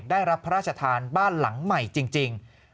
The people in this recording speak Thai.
ได้รับพระราชทานบ้านหลังใหม่จริง